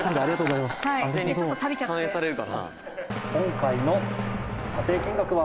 「今回の査定金額は」